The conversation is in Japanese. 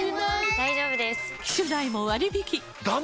大丈夫です！